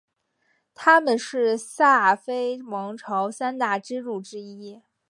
他们是萨非王朝三大支柱之一。